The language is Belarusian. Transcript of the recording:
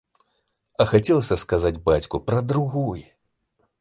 А хацелася сказаць бацьку пра другое.